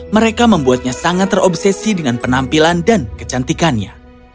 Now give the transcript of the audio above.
mereka membuatnya sangat terobsesi dengan penampilan dan kecantikannya